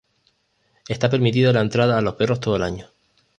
Esta permitida la entrada a los perros todo el año.